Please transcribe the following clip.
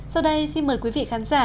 sau đây xin mời quý vị khán giả